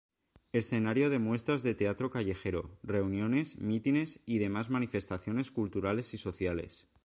Escenario de muestras de teatro callejero, reuniones, mítines y demás manifestaciones culturales y sociales.